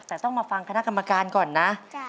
แต่ต้องมาฟังคณะกรรมการก่อนนะ